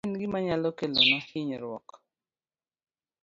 Mano en gima nyalo kelonwa hinyruok.